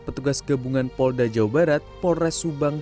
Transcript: petugas gabungan pol dajabar polres subang